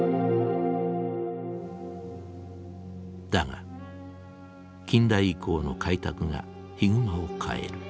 だが近代以降の開拓がヒグマを変える。